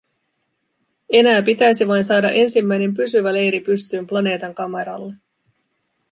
Enää pitäisi vain saada ensimmäisen pysyvä leiri pystyyn planeetan kamaralle.